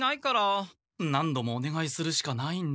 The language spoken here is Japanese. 何度もおねがいするしかないんだけど。